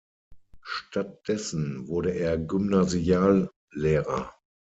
Stattdessen wurde er Gymnasiallehrer.